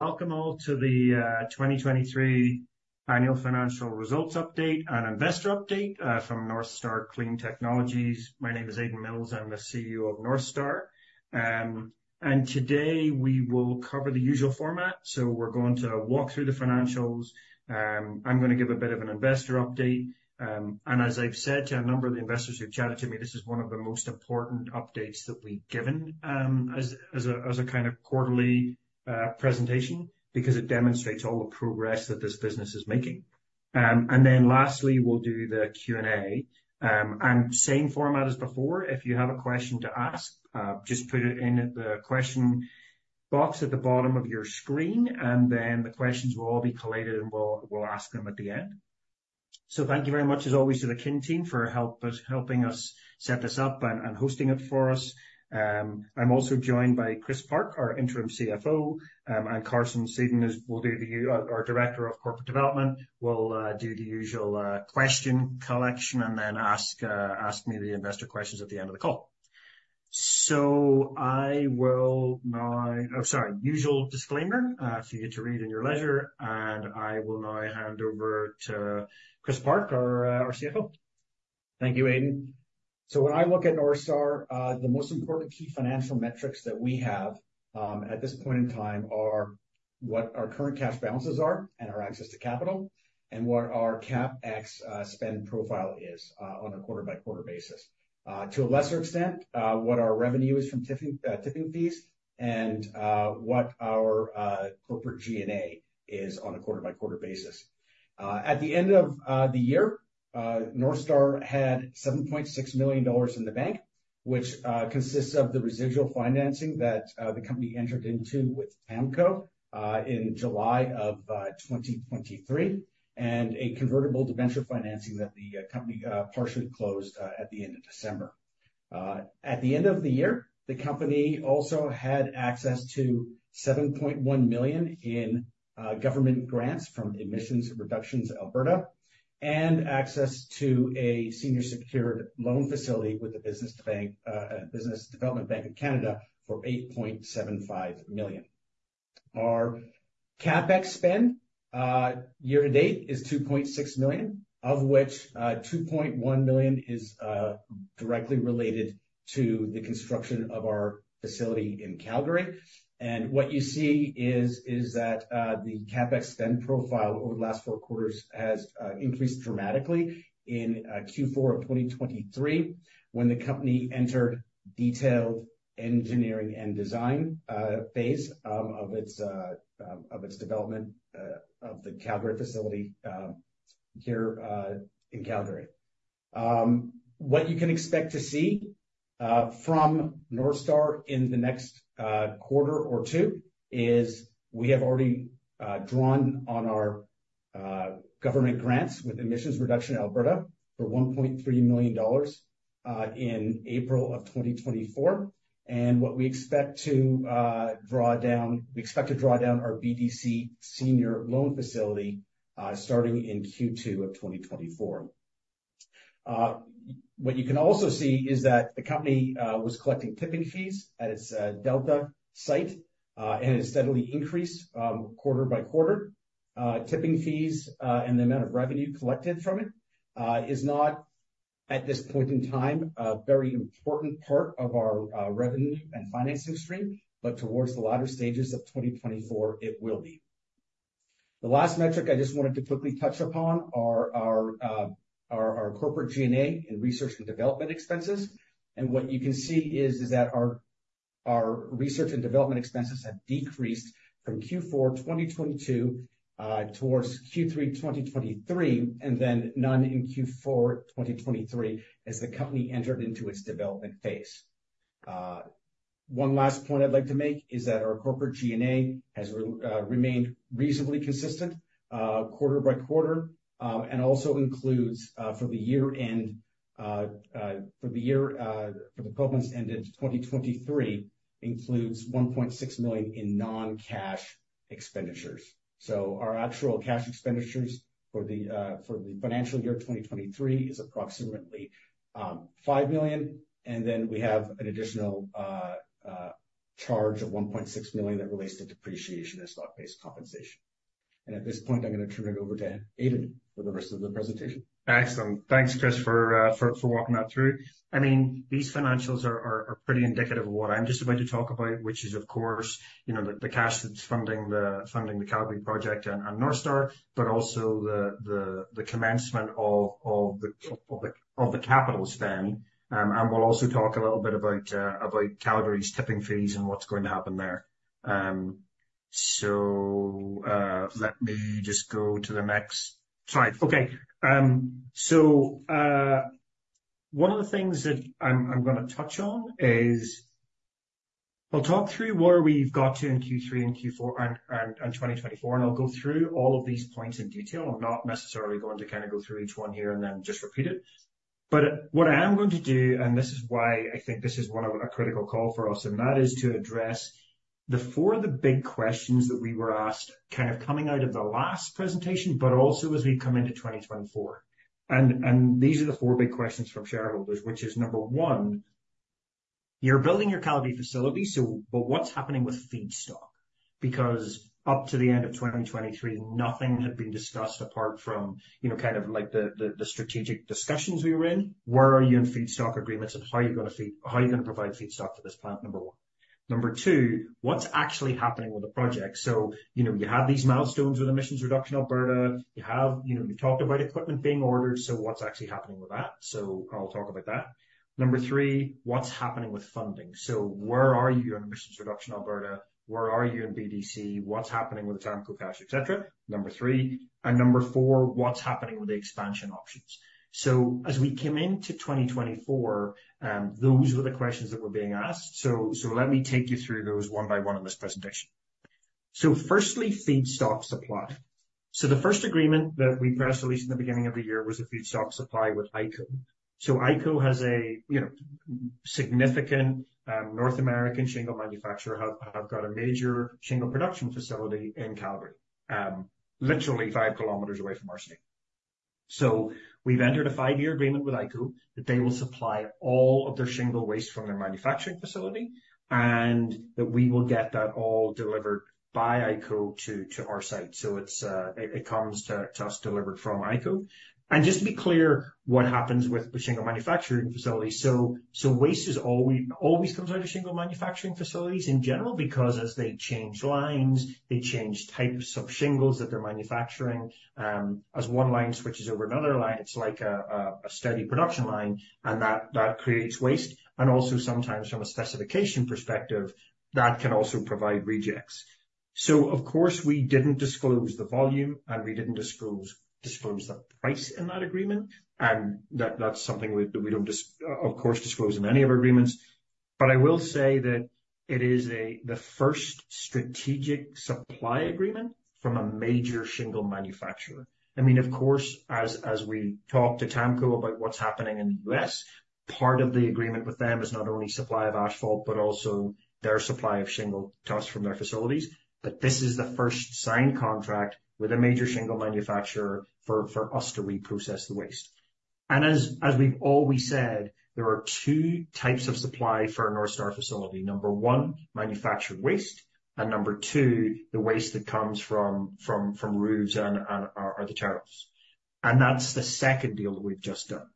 Welcome all to the 2023 annual financial results update and investor update from Northstar Clean Technologies. My name is Aidan Mills, I'm the CEO of Northstar. Today, we will cover the usual format, so we're going to walk through the financials. I'm gonna give a bit of an investor update, and as I've said to a number of the investors who've chatted to me, this is one of the most important updates that we've given as a kind of quarterly presentation, because it demonstrates all the progress that this business is making. Then lastly, we'll do the Q&A. And same format as before, if you have a question to ask, just put it in the question box at the bottom of your screen, and then the questions will all be collated, and we'll ask them at the end. So thank you very much, as always, to the Kin team for helping us set this up and hosting it for us. I'm also joined by Chris Park, our interim CFO, and Carson Sedun is our Director of Corporate Development, will do the usual question collection and then ask me the investor questions at the end of the call. So I will now. Oh, sorry. Usual disclaimer, so you get to read in your leisure, and I will now hand over to Chris Park, our CFO. Thank you, Aidan. So when I look at Northstar, the most important key financial metrics that we have at this point in time are what our current cash balances are and our access to capital, and what our CapEx spend profile is on a quarter-by-quarter basis. To a lesser extent, what our revenue is from tipping fees, and what our corporate G&A is on a quarter-by-quarter basis. At the end of the year, Northstar had $7.6 million in the bank, which consists of the residual financing that the company entered into with TAMKO in July of 2023, and a convertible debenture financing that the company partially closed at the end of December. At the end of the year, the company also had access to 7.1 million in government grants from Emissions Reduction Alberta, and access to a senior secured loan facility with the Business Development Bank of Canada for 8.75 million. Our CapEx spend year to date is 2.6 million, of which 2.1 million is directly related to the construction of our facility in Calgary. And what you see is that the CapEx spend profile over the last four quarters has increased dramatically in Q4 of 2023, when the company entered detailed engineering and design phase of its development of the Calgary facility here in Calgary. What you can expect to see from Northstar in the next quarter or two is we have already drawn on our government grants with Emissions Reduction Alberta for $1.3 million in April of 2024. And what we expect to draw down our BDC senior loan facility starting in Q2 of 2024. What you can also see is that the company was collecting tipping fees at its Delta site and has steadily increased quarter by quarter. Tipping fees and the amount of revenue collected from it is not, at this point in time, a very important part of our revenue and financing stream, but towards the latter stages of 2024, it will be. The last metric I just wanted to quickly touch upon are our corporate G&A and research and development expenses. What you can see is that our research and development expenses have decreased from Q4 2022 towards Q3 2023, and then none in Q4 2023, as the company entered into its development phase. One last point I'd like to make is that our corporate G&A has remained reasonably consistent quarter by quarter and also includes for the year-end for the year for the calendar year end of 2023 1.6 million in non-cash expenditures. So our actual cash expenditures for the for the financial year 2023 is approximately 5 million, and then we have an additional charge of 1.6 million that relates to depreciation and stock-based compensation. At this point, I'm gonna turn it over to Aidan for the rest of the presentation. Excellent. Thanks, Chris, for walking that through. I mean, these financials are pretty indicative of what I'm just about to talk about, which is, of course, you know, the cash that's funding the Calgary project and Northstar, but also the commencement of the capital spend. And we'll also talk a little bit about Calgary's tipping fees and what's going to happen there. So, let me just go to the next slide. Okay. So, one of the things that I'm gonna touch on is. I'll talk through where we've got to in Q3 and Q4 and 2024, and I'll go through all of these points in detail. I'm not necessarily going to kind of go through each one here and then just repeat it. But what I am going to do, and this is why I think this is one of a critical call for us, and that is to address the four of the big questions that we were asked, kind of coming out of the last presentation, but also as we come into 2024. And, and these are the four big questions from shareholders, which is, number one- You're building your Calgary facility, so but what's happening with feedstock? Because up to the end of 2023, nothing had been discussed apart from, you know, kind of like the, the, the strategic discussions we were in. Where are you in feedstock agreements, and how are you gonna feed how are you gonna provide feedstock for this plant, number one? Number two, what's actually happening with the project? So, you know, you have these milestones with Emissions Reduction Alberta. You have, you know, you talked about equipment being ordered, so what's actually happening with that? So I'll talk about that. Number three, what's happening with funding? So where are you in Emissions Reduction Alberta? Where are you in BDC? What's happening with the TAMKO cash, et cetera? Number three, and number four, what's happening with the expansion options? So as we came into 2024, those were the questions that were being asked. So let me take you through those one by one in this presentation. So firstly, feedstock supply. So the first agreement that we pressed, at least in the beginning of the year, was a feedstock supply with IKO. So IKO has a, you know, significant North American shingle manufacturer, has got a major shingle production facility in Calgary, literally five kilometers away from our city. So we've entered a five-year agreement with IKO, that they will supply all of their shingle waste from their manufacturing facility, and that we will get that all delivered by IKO to our site. So it's it comes to us delivered from IKO. And just to be clear, what happens with the shingle manufacturing facility? So waste always comes out of shingle manufacturing facilities in general, because as they change lines, they change types of shingles that they're manufacturing. As one line switches over another line, it's like a steady production line, and that creates waste, and also sometimes from a specification perspective, that can also provide rejects. So of course, we didn't disclose the volume, and we didn't disclose the price in that agreement, and that's something we don't, of course, disclose in any of our agreements. But I will say that it is the first strategic supply agreement from a major shingle manufacturer. I mean, of course, as we talk to TAMKO about what's happening in the U.S., part of the agreement with them is not only supply of asphalt, but also their supply of shingle to us from their facilities. But this is the first signed contract with a major shingle manufacturer for us to reprocess the waste. And as we've always said, there are two types of supply for our Northstar facility. Number one, manufactured waste, and number two, the waste that comes from roofs and are the tear-offs. And that's the sECCOnd deal that we've just done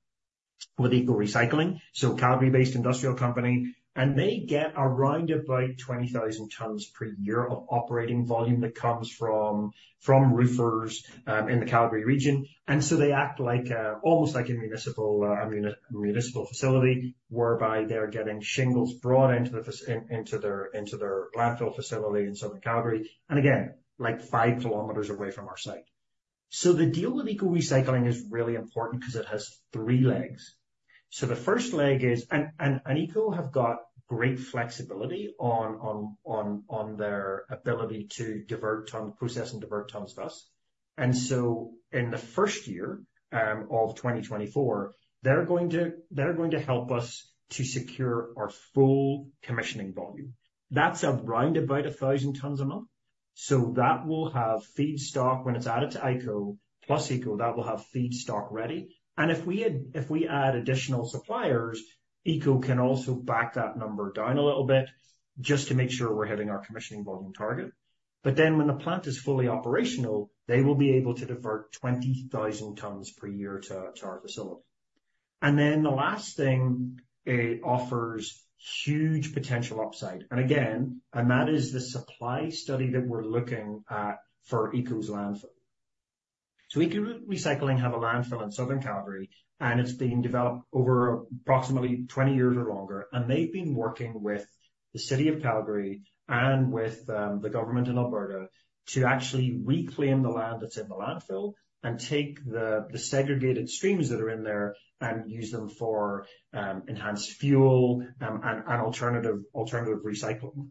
with ECCO Recycling. So Calgary-based industrial company, and they get around about 20,000 tons per year of operating volume that comes from roofers in the Calgary region. And so they act like a, almost like a municipal facility, whereby they're getting shingles brought into their landfill facility in southern Calgary, and again, like five kilometers away from our site. So the deal with ECCO Recycling is really important because it has three legs. So the first leg is. And ECCO have got great flexibility on their ability to divert, process and divert tons of waste. And so in the first year of 2024, they're going to help us to secure our full commissioning volume. That's around about 1,000 tons a month. So that will have feedstock when it's added to IKO, plus ECCO, that will have feedstock ready. And if we add, if we add additional suppliers, ECCO can also back that number down a little bit just to make sure we're hitting our commissioning volume target. But then, when the plant is fully operational, they will be able to divert 20,000 tons per year to, to our facility. And then the last thing, it offers huge potential upside. And again, and that is the supply study that we're looking at for ECCO's landfill. So ECCO Recycling have a landfill in southern Calgary, and it's been developed over approximately 20 years or longer, and they've been working with the city of Calgary and with, the government in Alberta to actually reclaim the land that's in the landfill and take the, the segregated streams that are in there and use them for, enhanced fuel, and, and alternative, alternative recycling.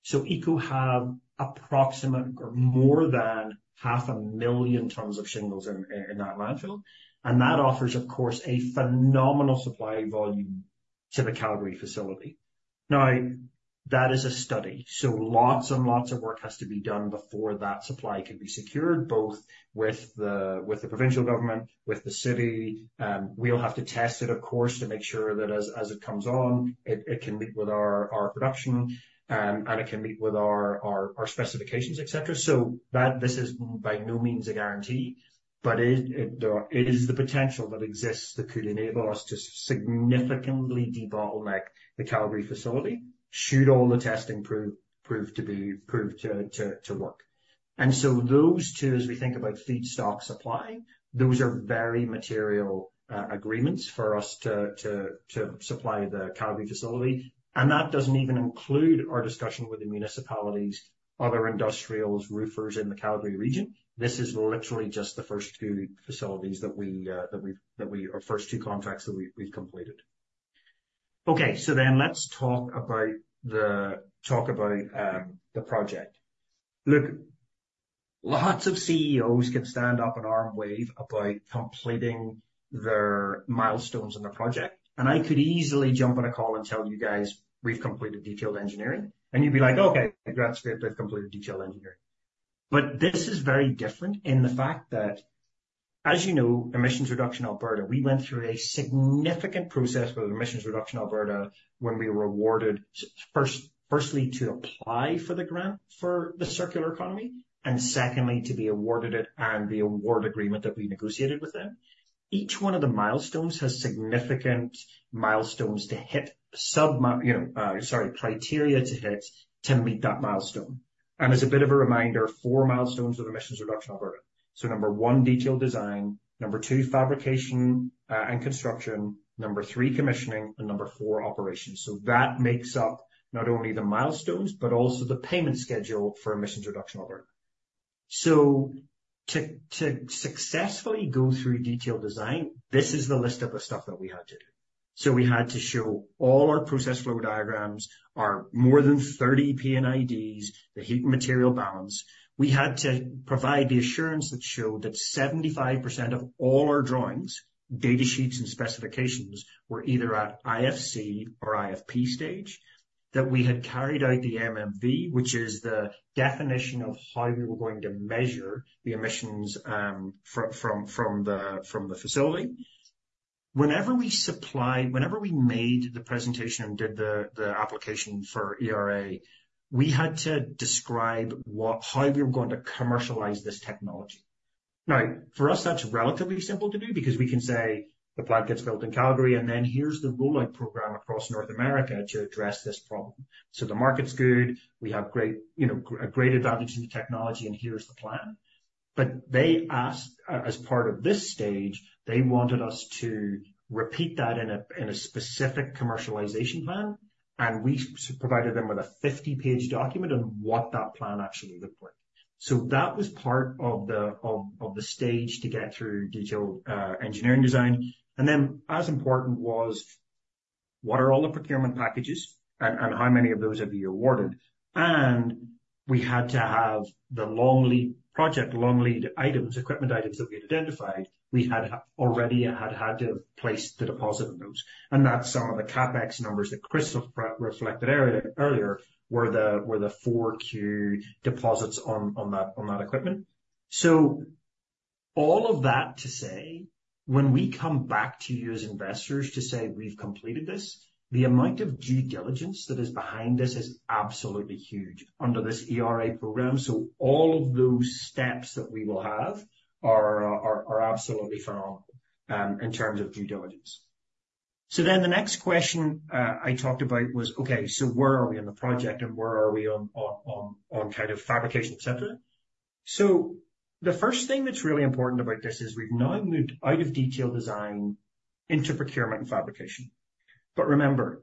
So ECCO have approximate or more than 500,000 tons of shingles in, in that landfill, and that offers, of course, a phenomenal supply volume to the Calgary facility. Now, that is a study, so lots and lots of work has to be done before that supply can be secured, both with the provincial government, with the city. We'll have to test it, of course, to make sure that as it comes on, it can meet with our production, and it can meet with our specifications, et cetera. So that this is by no means a guarantee, but it, there is the potential that exists that could enable us to significantly debottleneck the Calgary facility, should all the testing prove to work. And so those two, as we think about feedstock supply, those are very material agreements for us to supply the Calgary facility. And that doesn't even include our discussion with the municipalities, other industrials, roofers in the Calgary region. This is literally just the first two facilities that we've completed. Our first two contracts that we've completed. Okay, so then let's talk about the project. Look, lots of CEOs can stand up and arm wave about completing their milestones on a project, and I could easily jump on a call and tell you guys, "We've completed detailed engineering." And you'd be like: "Okay, congrats, great, they've completed detailed engineering." But this is very different in the fact that. As you know, Emissions Reduction Alberta, we went through a significant process with Emissions Reduction Alberta when we were awarded first, firstly, to apply for the grant for the circular economy, and secondly, to be awarded it and the award agreement that we negotiated with them. Each one of the milestones has significant milestones to hit, you know, sorry, criteria to hit, to meet that milestone. And as a bit of a reminder, four milestones of Emissions Reduction Alberta. So number one, detailed design. Number two, fabrication, and construction. Number three, commissioning, and number four, operations. So that makes up not only the milestones, but also the payment schedule for Emissions Reduction Alberta. So to successfully go through detailed design, this is the list of the stuff that we had to do. So we had to show all our process flow diagrams, our more than 30 P&IDs, the heat and material balance. We had to provide the assurance that showed that 75% of all our drawings, data sheets, and specifications were either at IFC or IFP stage, that we had carried out the MMV, which is the definition of how we were going to measure the emissions from the facility. Whenever we made the presentation and did the application for ERA, we had to describe what. How we were going to commercialize this technology. Now, for us, that's relatively simple to do because we can say the plant gets built in Calgary, and then here's the rollout program across North America to address this problem. So the market's good. We have great, you know, a great advantage in the technology, and here's the plan. But they asked, as part of this stage, they wanted us to repeat that in a specific commercialization plan, and we provided them with a 50-page document on what that plan actually looked like. So that was part of the stage to get through detailed engineering design. And then as important was, what are all the procurement packages and how many of those have you awarded? And we had to have the long lead project long lead items, equipment items that we had identified. We had already had to place the deposit on those. And that's some of the CapEx numbers that Chris reflected earlier, were the 4Q deposits on that equipment. So all of that to say, when we come back to you as investors to say we've completed this, the amount of due diligence that is behind this is absolutely huge under this ERA program. So all of those steps that we will have are absolutely thorough in terms of due diligence. So then the next question I talked about was, okay, so where are we on the project and where are we on kind of fabrication, et cetera? So the first thing that's really important about this is we've now moved out of detailed design into procurement and fabrication. But remember,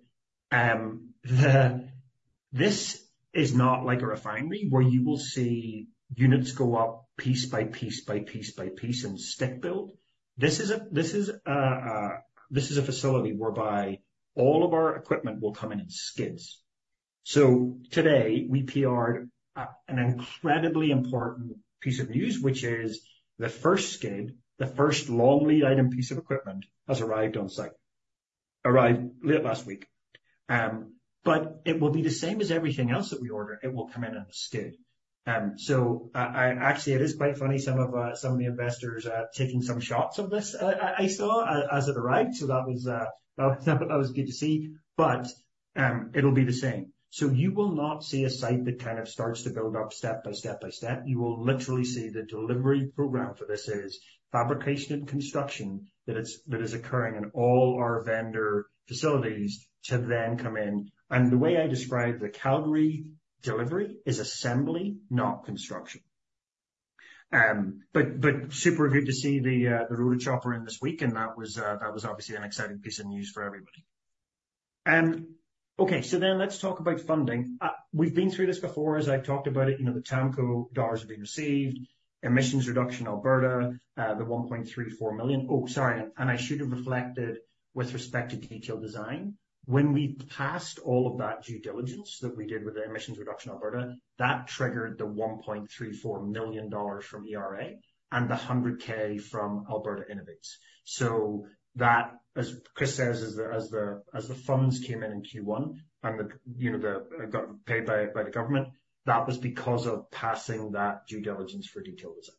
this is not like a refinery where you will see units go up piece by piece-by-piece-by-piece and stick build. This is a facility whereby all of our equipment will come in in skids. So today, we PR'd an incredibly important piece of news, which is the first skid, the first long lead item piece of equipment, has arrived on site. Arrived late last week. But it will be the same as everything else that we order. It will come in on a skid. So, I actually, it is quite funny, some of the investors taking some shots of this, I saw as it arrived, so that was good to see. But it'll be the same. So you will not see a site that kind of starts to build up step by step by step. You will literally see the delivery program for this is fabrication and construction, that is occurring in all our vendor facilities to then come in. And the way I describe the Calgary delivery is assembly, not construction. But super good to see the Rotochopper in this week, and that was obviously an exciting piece of news for everybody. Okay, so then let's talk about funding. We've been through this before, as I've talked about it, you know, the TAMKO dollars have been received, Emissions Reduction Alberta, the 1.34 million. Oh, sorry, and I should have reflected with respect to detailed design. When we passed all of that due diligence that we did with the Emissions Reduction Alberta, that triggered the $1.34 million from ERA and the 100,000 from Alberta Innovates. So that, as Chris says, as the funds came in in Q1 and, you know, got paid by the government, that was because of passing that due diligence for detailed design.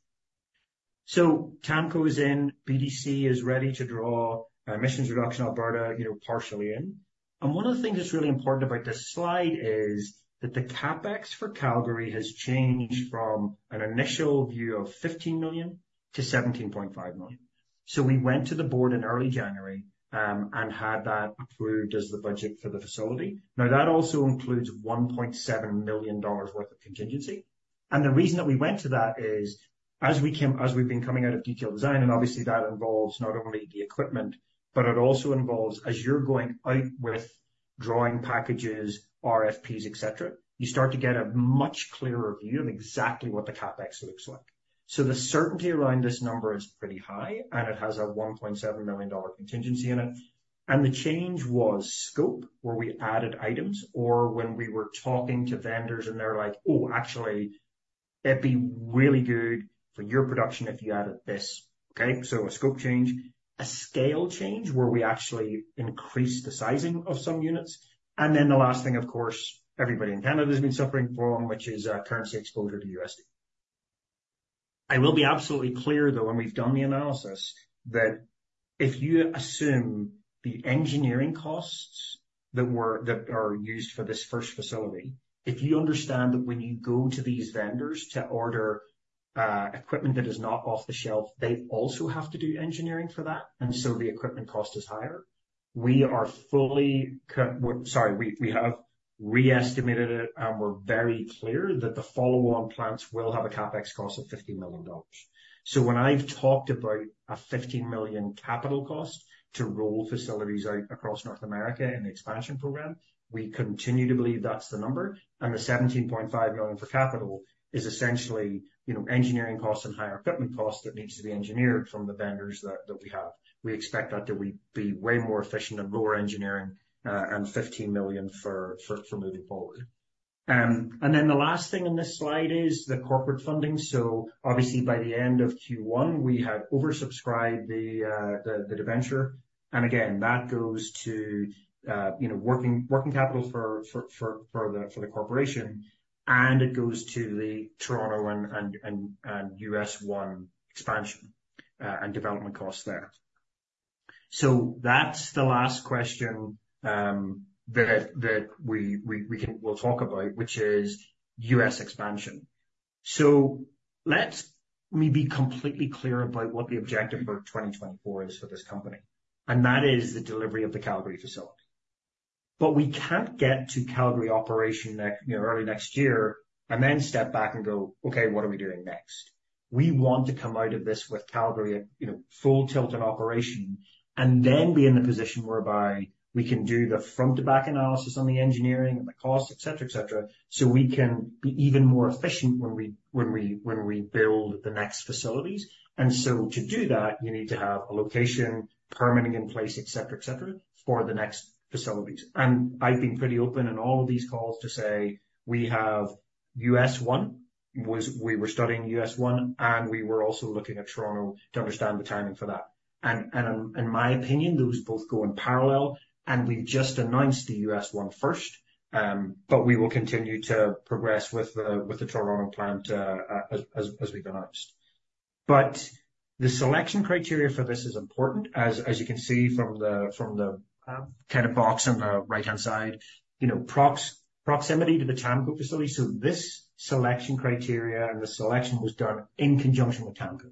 So TAMKO is in, BDC is ready to draw, Emissions Reduction Alberta, you know, partially in. One of the things that's really important about this slide is that the CapEx for Calgary has changed from an initial view of 15 million to 17.5 million. So we went to the board in early January, and had that approved as the budget for the facility. Now, that also includes $1.7 million worth of contingency. The reason that we went to that is, as we came, as we've been coming out of detailed design, and obviously that involves not only the equipment, but it also involves, as you're going out with drawing packages, RFPs, et cetera, you start to get a much clearer view of exactly what the CapEx looks like. The certainty around this number is pretty high, and it has a $1.7 million contingency in it. The change was scope, where we added items, or when we were talking to vendors and they're like, "Oh, actually, it'd be really good for your production if you added this." Okay? So a scope change, a scale change, where we actually increased the sizing of some units. And then the last thing, of course, everybody in Canada has been suffering from, which is currency exposure to USD. I will be absolutely clear though, and we've done the analysis, that if you assume the engineering costs that are used for this first facility, if you understand that when you go to these vendors to order equipment that is not off the shelf, they also have to do engineering for that, and so the equipment cost is higher. We have re-estimated it, and we're very clear that the follow-on plants will have a CapEx cost of $50 million. So when I've talked about a 15 million capital cost to roll facilities out across North America in the expansion program, we continue to believe that's the number. And the 17.5 million for capital is essentially, you know, engineering costs and higher equipment costs that needs to be engineered from the vendors that we have. We expect that we'd be way more efficient and lower engineering, and 15 million for moving forward. And then the last thing in this slide is the corporate funding. So obviously, by the end of Q1, we had oversubscribed the debenture. And again, that goes to, you know, working capital for the corporation, and it goes to the Toronto and U.S. One expansion and development costs there. So that's the last question that we will talk about, which is U.S. expansion. So let me be completely clear about what the objective for 2024 is for this company, and that is the delivery of the Calgary facility. But we can't get to Calgary operation next, you know, early next year and then step back and go, "Okay, what are we doing next?" We want to come out of this with Calgary at, you know, full tilt and operation, and then be in the position whereby we can do the front to back analysis on the engineering and the cost, et cetera, et cetera, so we can be even more efficient when we build the next facilities. And so to do that, you need to have a location, permitting in place, et cetera, et cetera, for the next facilities. And I've been pretty open in all of these calls to say we have U.S. One, we were studying U.S. One, and we were also looking at Toronto to understand the timing for that. And in my opinion, those both go in parallel, and we've just announced the U.S. One first, but we will continue to progress with the Toronto plant, as we've announced. But the selection criteria for this is important, as you can see from the kind of box on the right-hand side, you know, proximity to the TAMKO facility. So this selection criteria and the selection was done in conjunction with TAMKO.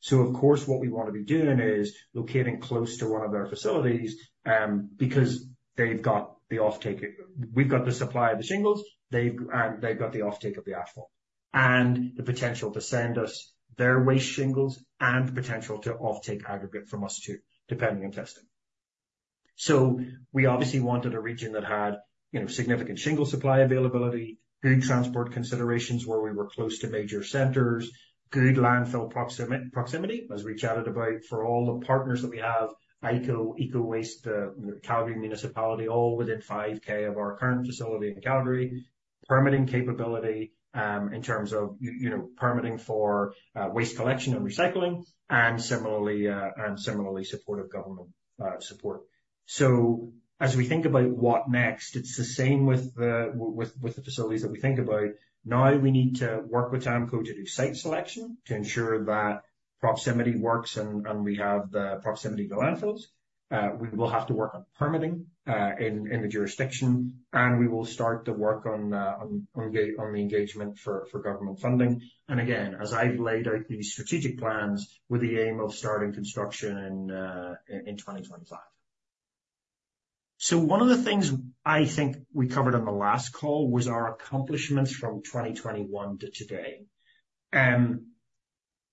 So of course, what we want to be doing is locating close to one of our facilities, because they've got the offtake. We've got the supply of the shingles, they've got the offtake of the asphalt and the potential to send us their waste shingles and the potential to offtake aggregate from us, too, depending on testing. So we obviously wanted a region that had, you know, significant shingle supply availability, good transport considerations, where we were close to major centers, good landfill proximity, as we chatted about for all the partners that we have, IKO, ECCO Recycling, you know, Calgary municipality, all within 5 km of our current facility in Calgary. Permitting capability, in terms of you know, permitting for, waste collection and recycling, and similarly, and similarly, supportive government, support. So as we think about what next, it's the same with the facilities that we think about. Now we need to work with TAMKO to do site selection, to ensure that proximity works and, and we have the proximity to landfills. We will have to work on permitting in the jurisdiction, and we will start the work on the engagement for government funding. And again, as I've laid out these strategic plans, with the aim of starting construction in 2025. So one of the things I think we covered on the last call was our accomplishments from 2021 to today.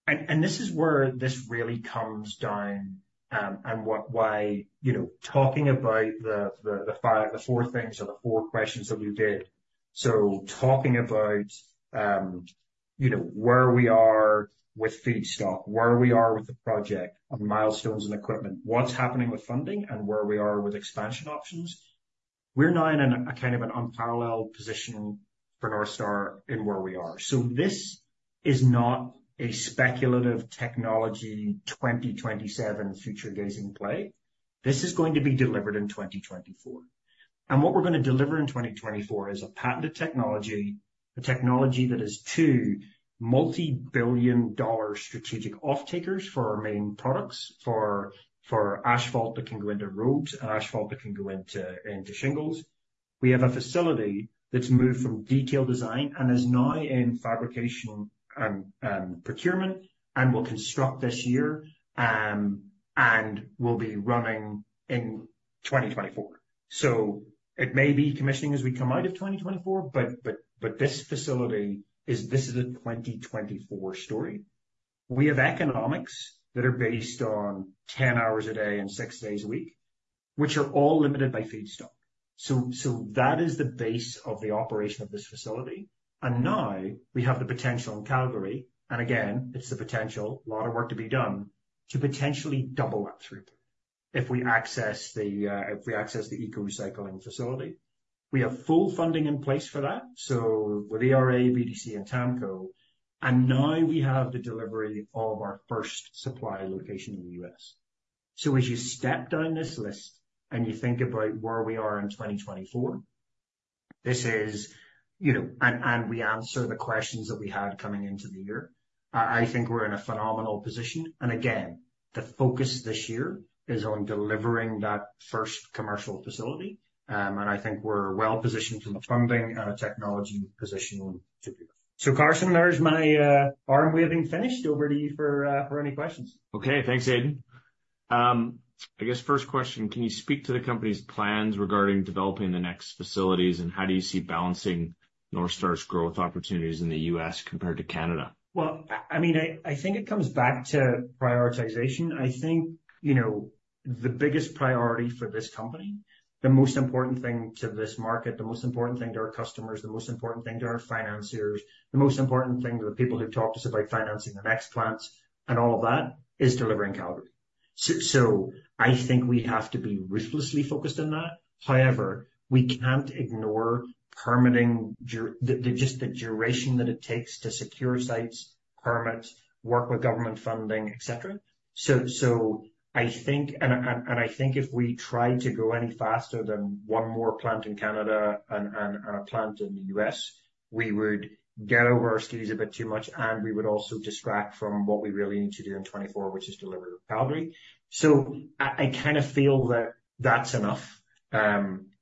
And this is where this really comes down, and what, why, you know, talking about the four things or the four questions that we did. So talking about, you know, where we are with feedstock, where we are with the project on milestones and equipment, what's happening with funding and where we are with expansion options. We're now in a kind of an unparalleled position for Northstar in where we are. So this is not a speculative technology, 2027 future gazing play. This is going to be delivered in 2024. And what we're going to deliver in 2024 is a patented technology, a technology that has two multi-billion-dollar strategic off-takers for our main products, for asphalt that can go into roads and asphalt that can go into shingles. We have a facility that's moved from detailed design and is now in fabrication and procurement, and will construct this year, and will be running in 2024. So it may be commissioning as we come out of 2024, but this facility is this is a 2024 story. We have ECCOnomics that are based on 10 hours a day and 6 days a week, which are all limited by feedstock. So, so that is the base of the operation of this facility. And now we have the potential in Calgary, and again, it's the potential, a lot of work to be done, to potentially double that throughput if we access the ECCO Recycling facility. We have full funding in place for that, so with ERA, BDC, and TAMKO, and now we have the delivery of our first supply location in the U.S. So as you step down this list and you think about where we are in 2024. This is, you know, and we answer the questions that we had coming into the year. I think we're in a phenomenal position, and again, the focus this year is on delivering that first commercial facility. And I think we're well positioned from a funding and a technology positioning to do that. So Carson, there's my arm waving finished. Over to you for any questions. Okay. Thanks, Aidan. I guess first question, can you speak to the company's plans regarding developing the next facilities, and how do you see balancing Northstar's growth opportunities in the U.S. compared to Canada? Well, I mean, I think it comes back to prioritization. I think, you know, the biggest priority for this company, the most important thing to this market, the most important thing to our customers, the most important thing to our financiers, the most important thing to the people who talk to us about financing the next plants and all of that, is delivering Calgary. So I think we have to be ruthlessly focused on that. However, we can't ignore permitting, just the duration that it takes to secure sites, permits, work with government funding, et cetera. So I think if we try to go any faster than one more plant in Canada and a plant in the US, we would get over our skis a bit too much, and we would also distract from what we really need to do in 2024, which is deliver Calgary. So I kind of feel that that's enough,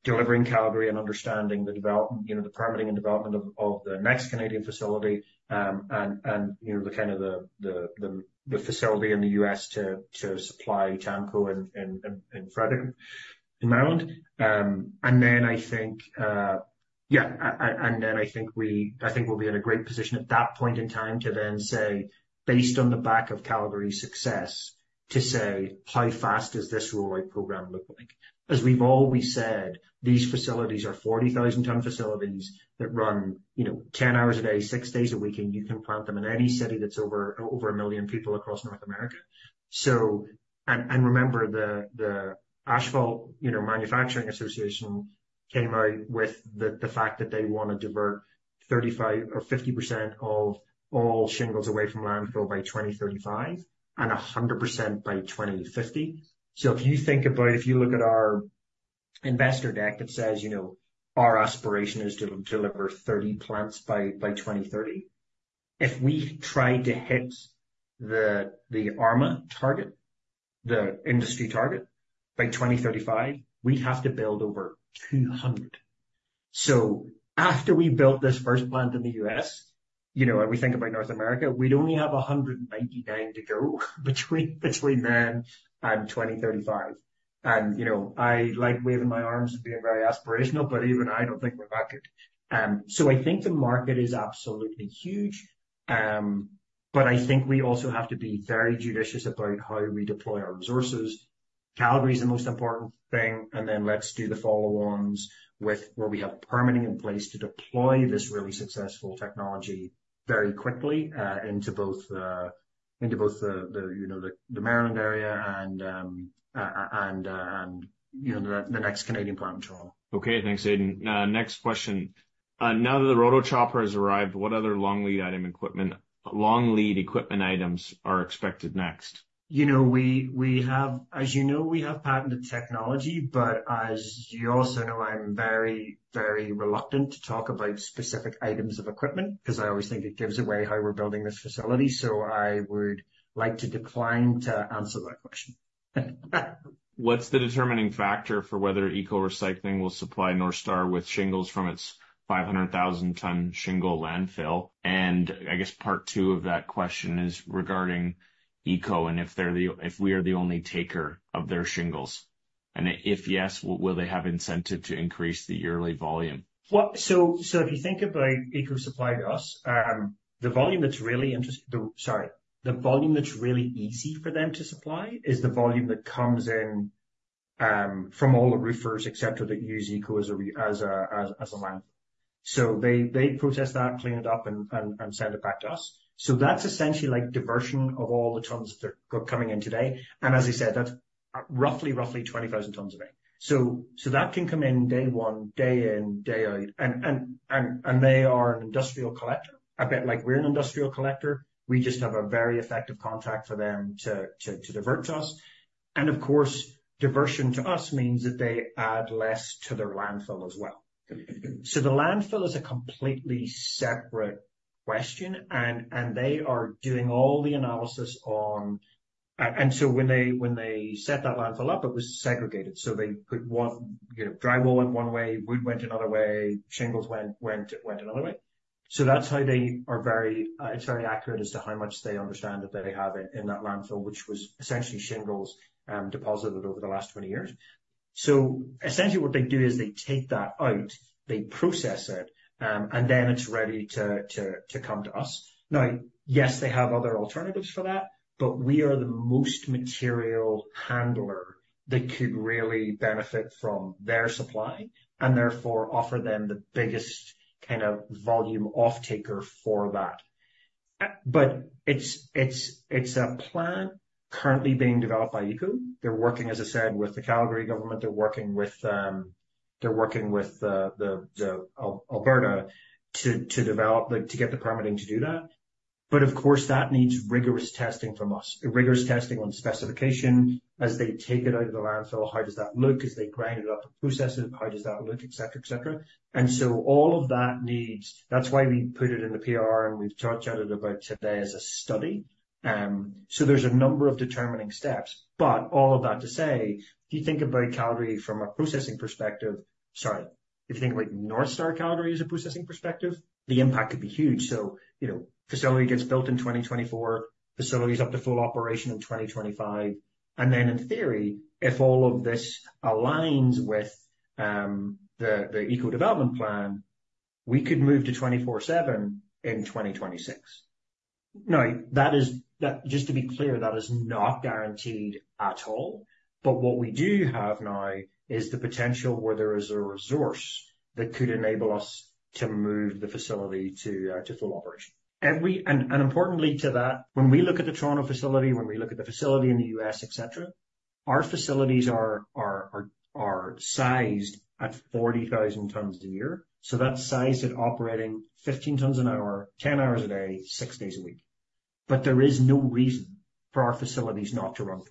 delivering Calgary and understanding you know, the permitting and development of the next Canadian facility. And you know, the kind of facility in the U.S. to supply TAMKO and Frederick in Maryland. And then I think we'll be in a great position at that point in time to then say, based on the back of Calgary's success, to say, how fast does this rollout program look like? As we've always said, these facilities are 40,000-ton facilities that run, you know, 10 hours a day, six days a week, and you can plant them in any city that's over one million people across North America. So and remember, the Asphalt Manufacturing Association came out with the fact that they want to divert 35% or 50% of all shingles away from landfill by 2035, and 100% by 2050. So if you think about it, if you look at our investor deck, it says, you know, our aspiration is to deliver 30 plants by 2030. If we tried to hit the ARMA target, the industry target, by 2035, we'd have to build over 200. So after we built this first plant in the U.S., you know, and we think about North America, we'd only have 199 to go between then and 2035. And, you know, I like waving my arms and being very aspirational, but even I don't think we're that good. So I think the market is absolutely huge, but I think we also have to be very judicious about how we deploy our resources. Calgary is the most important thing, and then let's do the follow-ons with where we have permitting in place to deploy this really successful technology very quickly, you know, into both the Maryland area and, you know, the next Canadian plant as well. Okay, thanks, Aidan. Next question. Now that the Rotochopper has arrived, what other long lead item equipment, long lead equipment items are expected next? You know, we have, as you know, we have patented technology, but as you also know, I'm very, very reluctant to talk about specific items of equipment, 'cause I always think it gives away how we're building this facility, so I would like to decline to answer that question. What's the determining factor for whether ECCO Recycling will supply Northstar with shingles from its 500,000-ton shingle landfill? And I guess part two of that question is regarding ECCO, and if we are the only taker of their shingles, and if yes, will they have incentive to increase the yearly volume? Well, so if you think about ECCO supply to us, the volume that's really easy for them to supply is the volume that comes in, from all the roofers, et cetera, that use ECCO as a landfill. So they process that, clean it up, and send it back to us. So that's essentially like diversion of all the tons that are coming in today, and as I said, that's roughly 20,000 tons a day. So that can come in day one, day in, day out, and they are an industrial collector, a bit like we're an industrial collector. We just have a very effective contract for them to divert to us. And of course, diversion to us means that they add less to their landfill as well. So the landfill is a completely separate question, and they are doing all the analysis on. And so when they set that landfill up, it was segregated. So they put one, you know, drywall went one way, wood went another way, shingles went another way. So that's how they are very, it's very accurate as to how much they understand that they have in that landfill, which was essentially shingles deposited over the last 20 years. So essentially, what they do is they take that out, they process it, and then it's ready to come to us. Now, yes, they have other alternatives for that, but we are the most material handler that could really benefit from their supply, and therefore offer them the biggest kind of volume offtaker for that. But it's, it's, it's a plan currently being developed by ECCO. They're working, as I said, with the Calgary government. They're working with the Alberta to develop, to get the permitting to do that. But of course, that needs rigorous testing from us. A rigorous testing on specification as they take it out of the landfill, how does that look? As they grind it up and process it, how does that look? Et cetera, et cetera. And so all of that needs. That's why we put it in the PR, and we've chatted about today as a study. So there's a number of determining steps, but all of that to say, if you think about Calgary from a processing perspective, sorry. If you think about Northstar Calgary as a processing perspective, the impact could be huge. So, you know, facility gets built in 2024, facility is up to full operation in 2025, and then in theory, if all of this aligns with, the, the ECCO development plan, we could move to 24/7 in 2026. Now, that is, that-- just to be clear, that is not guaranteed at all. But what we do have now is the potential where there is a resource that could enable us to move the facility to, to full operation. And importantly to that, when we look at the Toronto facility, when we look at the facility in the U.S., et cetera, our facilities are sized at 40,000 tons a year. So that's sized at operating 15 tons an hour, 10 hours a day, 6 days a week. But there is no reason for our facilities not to run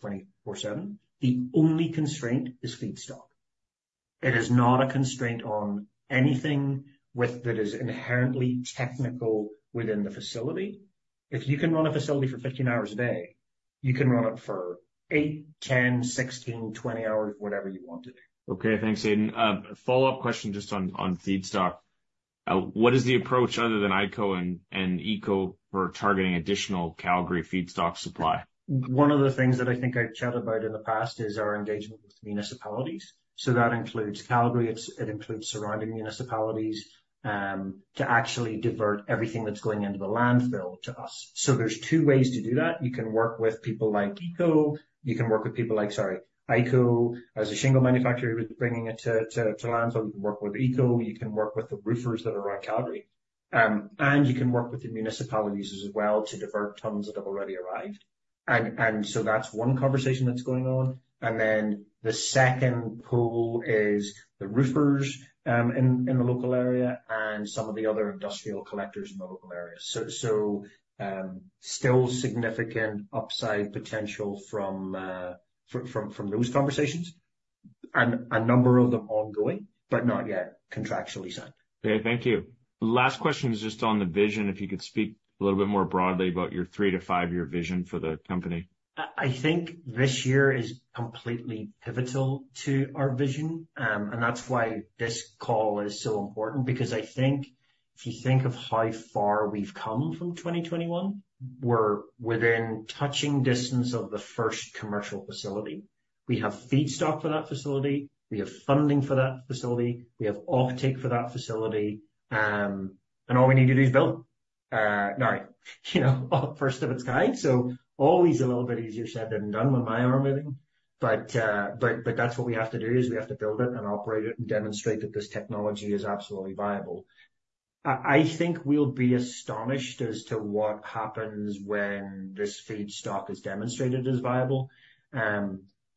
24/7. The only constraint is feedstock. It is not a constraint on anything with-- that is inherently technical within the facility. If you can run a facility for 15 hours a day, you can run it for 8hrs, 10hrs, 16hrs, 20 hours, whatever you want it. Okay, thanks, Aidan. A follow-up question just on feedstock. What is the approach other than IKO and ECCO for targeting additional Calgary feedstock supply? One of the things that I think I've chatted about in the past is our engagement with municipalities. So that includes Calgary, it includes surrounding municipalities, to actually divert everything that's going into the landfill to us. So there's two ways to do that. You can work with people like ECCO, you can work with people like, sorry, IKO, as a shingle manufacturer, who's bringing it to landfill. You can work with ECCO, you can work with the roofers that are around Calgary. And you can work with the municipalities as well to divert tons that have already arrived. And so that's one conversation that's going on. And then the second pool is the roofers in the local area and some of the other industrial collectors in the local area. Still significant upside potential from those conversations, and a number of them ongoing, but not yet contractually signed. Okay, thank you. Last question is just on the vision. If you could speak a little bit more broadly about your three-five year vision for the company. I think this year is completely pivotal to our vision, and that's why this call is so important, because I think if you think of how far we've come from 2021, we're within touching distance of the first commercial facility. We have feedstock for that facility, we have funding for that facility, we have offtake for that facility, and all we need to do is build. Now, you know, first of its kind, so always a little bit easier said than done with my arm moving. But that's what we have to do, is we have to build it and operate it and demonstrate that this technology is absolutely viable. I think we'll be astonished as to what happens when this feedstock is demonstrated as viable.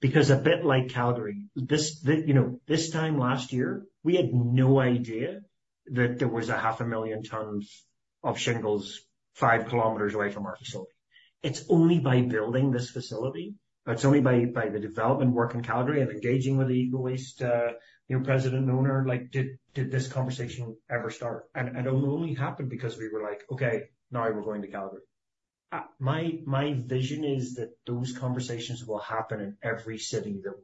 Because a bit like Calgary, you know, this time last year, we had no idea that there was 500,000 tons of shingles 5 kilometers away from our facility. It's only by building this facility, it's only by the development work in Calgary and engaging with the ECCO Waste, you know, president and owner, like, did this conversation ever start? And it only happened because we were like, "Okay, now we're going to Calgary." My vision is that those conversations will happen in every city that we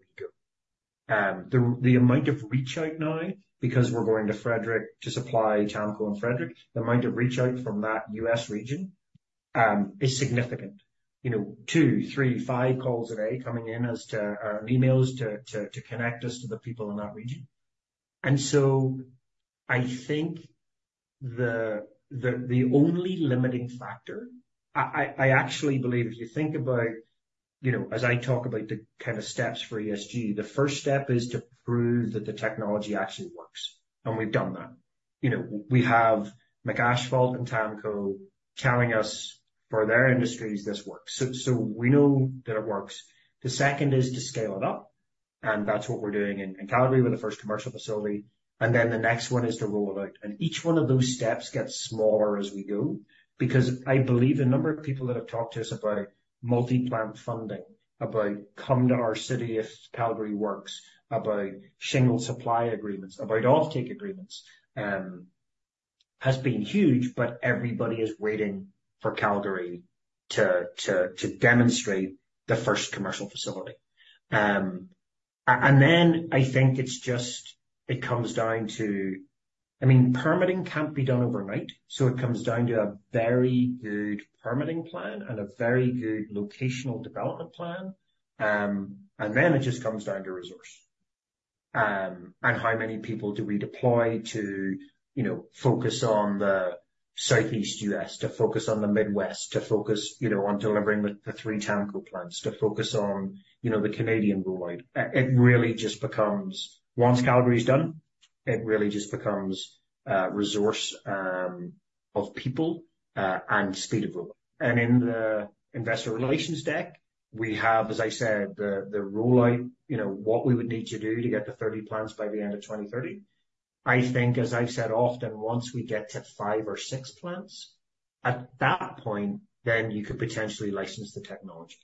go. The amount of reach out now, because we're going to Frederick to supply TAMKO and Frederick, the amount of reach out from that U.S. region is significant. You know, two, three, five calls a day coming in as to or emails to connect us to the people in that region. And so I think the only limiting factor, I actually believe if you think about, you know, as I talk about the kind of steps for ESG, the first step is to prove that the technology actually works, and we've done that. You know, we have McAsphalt and TAMKO telling us, for their industries, this works. So we know that it works. The second is to scale it up, and that's what we're doing in Calgary with the first commercial facility. And then the next one is to roll out. Each one of those steps gets smaller as we go, because I believe a number of people that have talked to us about multi-plant funding, about come to our city if Calgary works, about shingle supply agreements, about offtake agreements, has been huge, but everybody is waiting for Calgary to demonstrate the first commercial facility. And then I think it's just it comes down to. I mean, permitting can't be done overnight, so it comes down to a very good permitting plan and a very good locational development plan. And then it just comes down to resource, and how many people do we deploy to, you know, focus on the Southeast U.S. to focus on the Midwest, to focus, you know, on delivering the three TAMKO plants, to focus on, you know, the Canadian rollout. Once Calgary is done, it really just becomes a resource of people and speed of rollout. And in the investor relations deck, we have, as I said, the rollout, you know, what we would need to do to get to 30 plants by the end of 2030. I think as I've said, often, once we get to five or six plants, at that point, then you could potentially license the technology.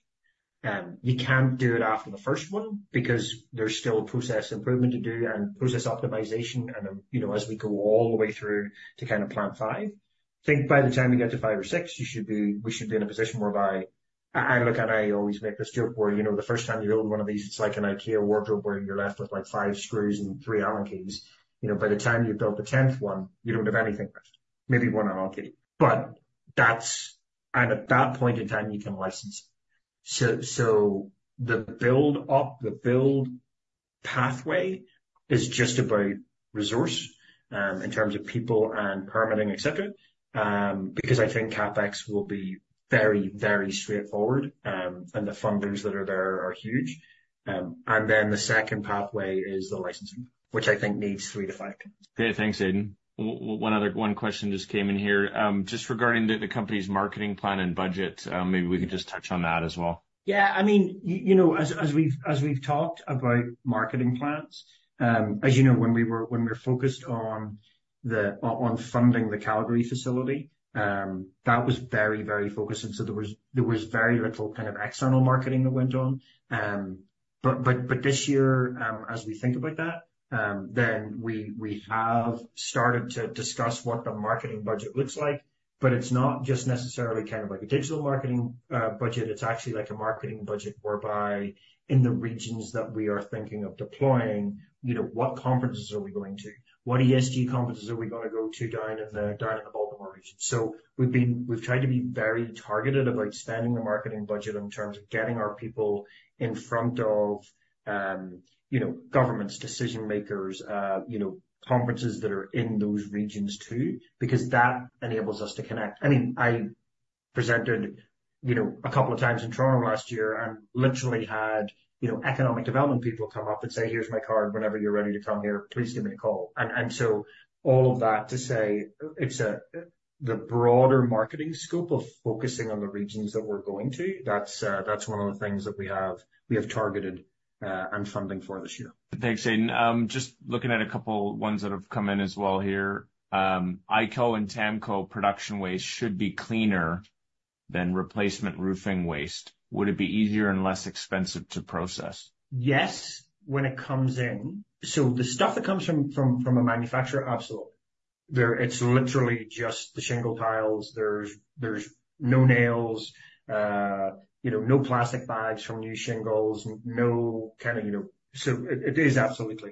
You can't do it after the first one, because there's still process improvement to do and process optimization, and then, you know, as we go all the way through to kind of plant five. I think by the time you get to five or six, you should be, we should be in a position whereby, A, and look, and I always make this joke where, you know, the first time you build one of these, it's like an IKEA wardrobe, where you're left with, like, five screws and three Allen keys. You know, by the time you've built the 10th one, you don't have anything left, maybe 1 Allen key. But that's, and at that point in time, you can license it. So, the build up, the build pathway is just about resource, in terms of people and permitting, et cetera. Because I think CapEx will be very, very straightforward. And the funders that are there are huge. And then the second pathway is the licensing, which I think needs three-five. Okay, thanks, Aidan. One other question just came in here. Just regarding the company's marketing plan and budget, maybe we could just touch on that as well. Yeah, I mean, you know, as we've talked about marketing plans, as you know, when we were focused on funding the Calgary facility, that was very focused. And so there was very little kind of external marketing that went on. But this year, as we think about that, then we have started to discuss what the marketing budget looks like. But it's not just necessarily kind of like a digital marketing budget. It's actually like a marketing budget, whereby in the regions that we are thinking of deploying, you know, what conferences are we going to? What ESG conferences are we gonna go to down in the Baltimore region? So we've tried to be very targeted about spending the marketing budget in terms of getting our people in front of, you know, governments, decision makers, you know, conferences that are in those regions too, because that enables us to connect. I mean, I presented, you know, a couple of times in Toronto last year and literally had, you know, ECCOnomic development people come up and say, "Here's my card. Whenever you're ready to come here, please give me a call." And so all of that to say, it's the broader marketing scope of focusing on the regions that we're going to, that's one of the things that we have targeted and funding for this year. Thanks, Aidan. Just looking at a couple ones that have come in as well here. IKO and TAMKO production waste should be cleaner than replacement roofing waste. Would it be easier and less expensive to process? Yes, when it comes in. So the stuff that comes from a manufacturer, absolutely. There. It's literally just the shingle tiles. There's no nails, you know, no plastic bags from new shingles, no kind of, you know. So it is absolutely.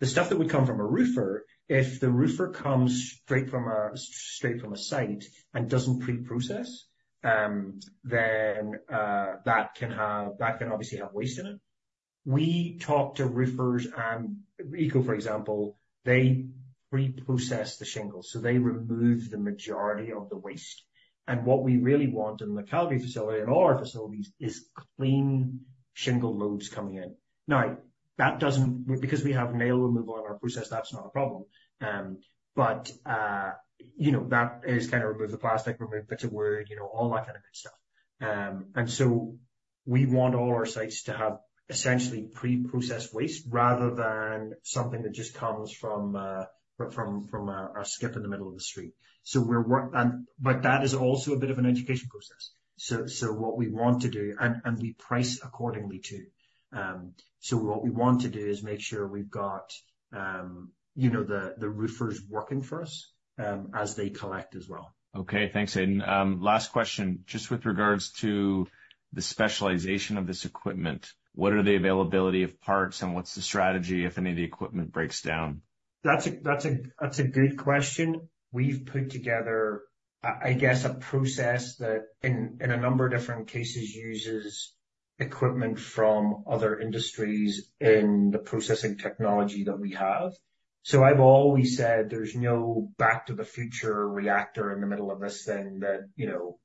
The stuff that would come from a roofer, if the roofer comes straight from a site and doesn't pre-process, then that can obviously have waste in it. We talk to roofers and IKO, for example, they pre-process the shingles, so they remove the majority of the waste. And what we really want in the Calgary facility and all our facilities is clean shingle loads coming in. Now, that doesn't. Because we have nail removal in our process, that's not a problem. But you know, that is kind of remove the plastic, remove bits of wood, you know, all that kind of good stuff. And so we want all our sites to have essentially pre-processed waste, rather than something that just comes from a skip in the middle of the street. But that is also a bit of an education process. So what we want to do. And we price accordingly, too. So what we want to do is make sure we've got you know, the roofers working for us, as they collect as well. Okay, thanks, Aidan. Last question, just with regards to the specialization of this equipment, what are the availability of parts, and what's the strategy if any of the equipment breaks down? That's a good question. We've put together, I guess, a process that in a number of different cases uses equipment from other industries in the processing technology that we have. So I've always said there's no back to the future reactor in the middle of this thing that, you know,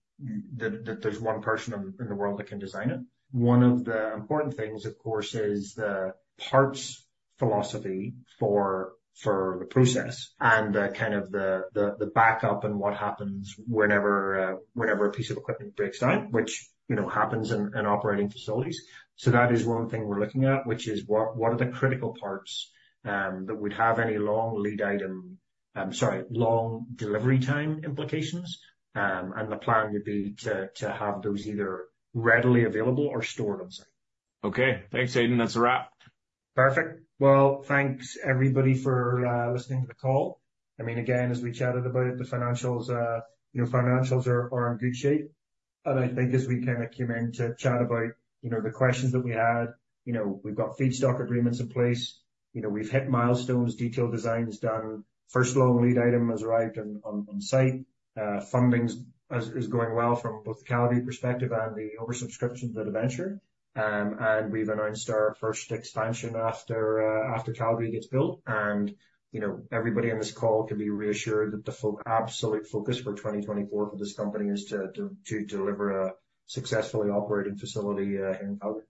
that there's one person in the world that can design it. One of the important things, of course, is the parts philosophy for the process and kind of the backup and what happens whenever a piece of equipment breaks down, which, you know, happens in operating facilities. So that is one thing we're looking at, which is what are the critical parts that would have any long lead item, sorry, long delivery time implications? The plan would be to have those either readily available or stored on site. Okay, thanks, Aidan. That's a wrap. Perfect. Well, thanks, everybody, for listening to the call. I mean, again, as we chatted about the financials, you know, financials are in good shape. And I think as we kind of came in to chat about, you know, the questions that we had, you know, we've got feedstock agreements in place. You know, we've hit milestones, detailed design is done. First long lead item has arrived on site. Funding is going well from both the Calgary perspective and the oversubscription of the debenture. And we've announced our first expansion after Calgary gets built. And, you know, everybody on this call can be reassured that the absolute focus for 2024 for this company is to deliver a successfully operating facility in Calgary.